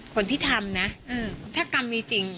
คนที่ทำนะถ้ากรรมมีจริง